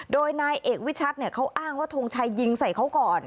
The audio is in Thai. โดยนายเอกวิชัดเขาอ้างว่าทงชัยยิงใส่เขาก่อน